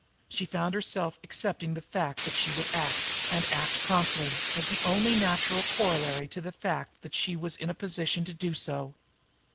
She found herself accepting the fact that she would act, and act promptly, as the only natural corollary to the fact that she was in a position to do so.